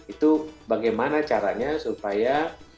itu bagaimana caranya supaya